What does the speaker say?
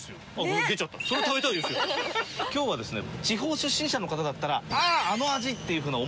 地方出身者の方だったら「ああの味！」っていう廚そ